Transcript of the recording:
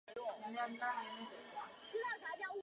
妮裳马戏团是布兰妮第六张专辑中妮裳马戏团的单曲。